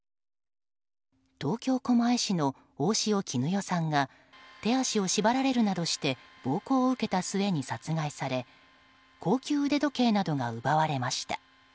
東京・狛江市の大塩衣与さんが手足を縛られるなどして暴行を受けた末に殺害され高級腕時計などが奪われました。